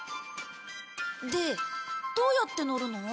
でどうやって乗るの？